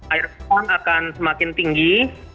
air perang akan semakin tinggi